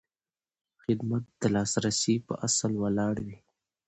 خدمت د لاسرسي په اصل ولاړ وي.